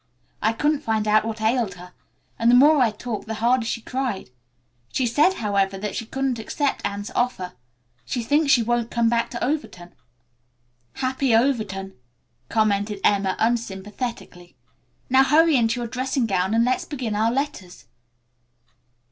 I couldn't find out what ailed her, and the more I talked the harder she cried. She said, however, that she couldn't accept Anne's offer. She thinks she won't come back to Overton." "Happy Overton," commented Emma unsympathetically. "Now hurry into your dressing gown and let's begin our letters."